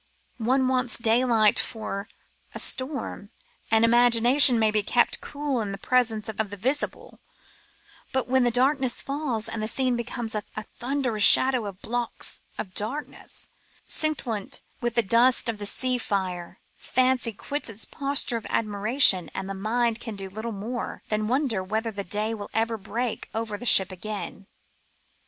One wants daylight for a storm ; the imagination may be kept cool in the presence of the visible, but when the darkness falls and the scene becomes a thunderous shadow of blocks of blackness, scintillant with the dust of the sea fire, fancy quits its posture of admiration and the mind can do little more than wonder whether day will ever break over the ship again.